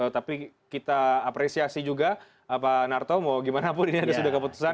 tapi kita apresiasi juga pak narto mau gimana pun ini sudah keputusan